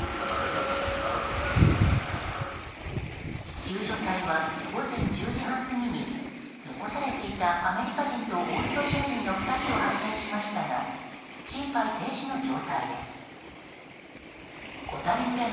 救助隊は午前１０時半過ぎに残されていたアメリカ人とオーストリア人の２人を発見しましたが心肺停止の状態です。